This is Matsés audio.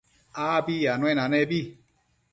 Abi anuenanebi